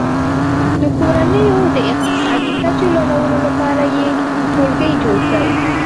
د کورنیو د اقتصادي کچې لوړولو لپاره یې ټولګي جوړ کړي.